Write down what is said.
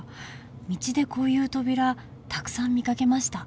道でこういう扉たくさん見かけました。